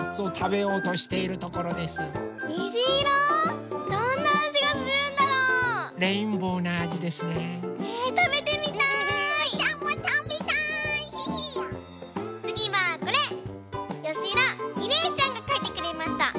よしだみれいちゃんがかいてくれました。